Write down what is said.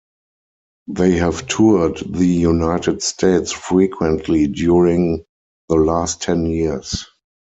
They have toured the United States frequently during the last ten years.